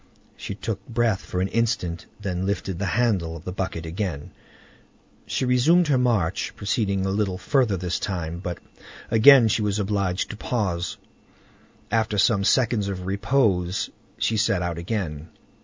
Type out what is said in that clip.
She took breath for an instant, then lifted the handle of the bucket again, and resumed her march, proceeding a little further this time, but again she was obliged to pause. After some seconds of repose she set out again.